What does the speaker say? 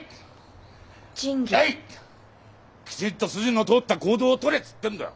きちっと筋の通った行動を取れっつってんだよ。